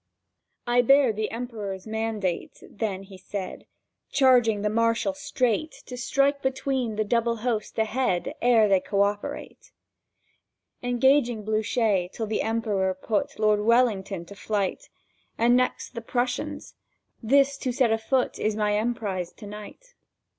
"I bear the Emperor's mandate," then he said, "Charging the Marshal straight To strike between the double host ahead Ere they co operate, "Engaging Blücher till the Emperor put Lord Wellington to flight, And next the Prussians. This to set afoot Is my emprise to night."